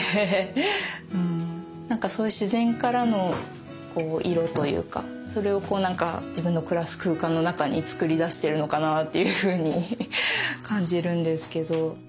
何かそういう自然からの色というかそれを何か自分の暮らす空間の中に作り出してるのかなっていうふうに感じるんですけど。